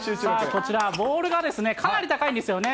こちらボールがかなり高いんですよね。